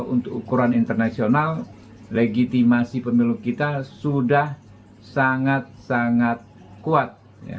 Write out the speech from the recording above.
untuk ukuran internasional legitimasi pemilu kita sudah sangat sangat kuat